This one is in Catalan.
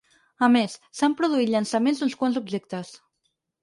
A més, s’han produït llançaments d’uns quants d’objectes.